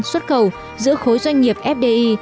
xuất khẩu giữa khối doanh nghiệp fdi